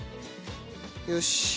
よし。